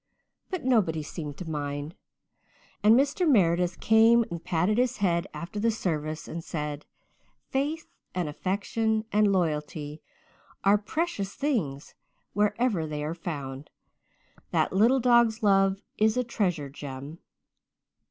But nobody seemed to mind, and Mr. Meredith came and patted his head after the service and said, "'Faith and affection and loyalty are precious things wherever they are found. That little dog's love is a treasure, Jem.'